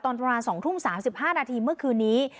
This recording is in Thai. ประมาณ๒ทุ่ม๓๕นาทีเมื่อคืนนี้